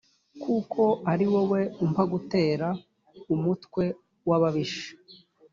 kuko ari wowe umpa gutera umutwe w ababisha